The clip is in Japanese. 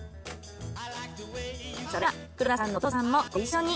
それでは黒田さんのお父さんもご一緒に。